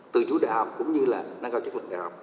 từ chủ đại học cũng như là đang gọi chức lực đại học